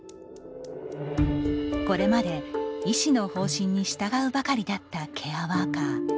これまで医師の方針に従うばかりだったケアワーカー。